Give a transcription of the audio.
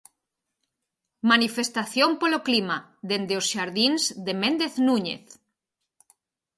Manifestación polo Clima, dende os Xardíns de Méndez Núñez.